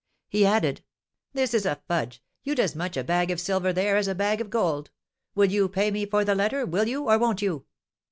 He added: "This is a fudge! You'd as much a bag of silver there as a bag of gold. Will you pay me for the letter, will you or won't you?